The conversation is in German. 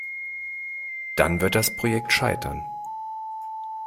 Dann wird das Projekt scheitern.